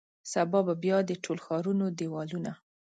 سهار به بیا د ټول ښارونو دیوالونه،